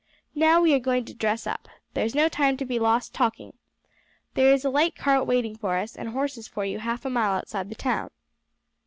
Now we are going to dress up; there's no time to be lost talking. There is a light cart waiting for us and horses for you half a mile outside the town."